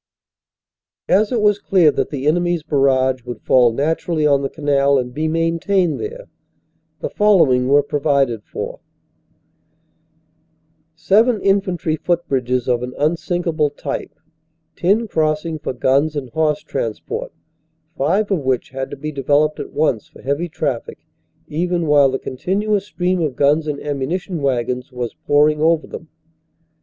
As it was clear that the enemy s barrage would fall natur ally on the canal and be maintained there, the following were provided for: Seven infantry footbridges of an unsinkable type; ten crossings for guns and horse transport, five of which OPERATIONS: SEPT. 27 227 had to be developed at once for heavy traffic even while the continuous stream of guns and ammunition wagons was pour ing over them.